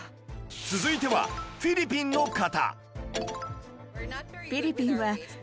続いてはフィリピンの方